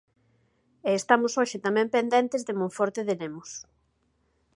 E estamos hoxe tamén pendentes de Monforte de Lemos.